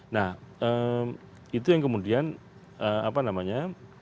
nah itu yang kemudian apa namanya